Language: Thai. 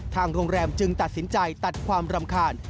ทางโรงแรมจึงตัดสินใจตัดความรำคาญ